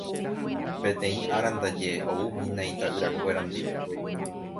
Peteĩ ára ndaje oúhina ita'yrakuéra ndive